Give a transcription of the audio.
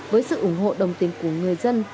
với sự ủng hộ đồng tiền của người dân